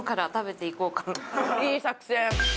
いい作戦。